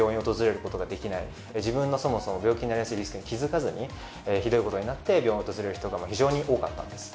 自分のそもそも病気になりやすいリスクに気づかずにひどい事になって病院を訪れる人が非常に多かったんです。